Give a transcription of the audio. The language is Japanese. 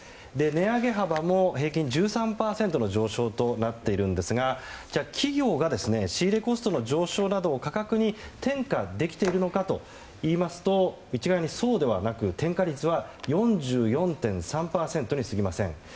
値上げ幅も平均１３％の上昇となっているんですが企業が仕入れコストの上昇などを価格に転嫁できているのかといいますと一概にそうではなく、転嫁率は４４．３％にすぎません。